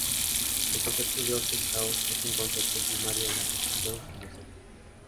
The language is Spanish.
El concepto de orden-caos es un concepto primario en la reflexión filosófica.